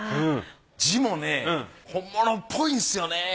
字もね本物っぽいんですよね。